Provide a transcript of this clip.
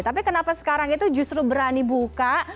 tapi kenapa sekarang itu justru berani buka